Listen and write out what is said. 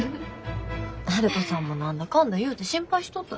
悠人さんも何だかんだいうて心配しとったで。